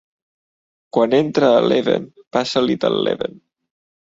Quan entra a Leven passa Little Leven.